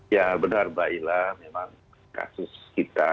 ya benar mbak ila memang kasus kita